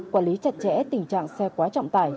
quản lý chặt chẽ tình trạng xe quá trọng tải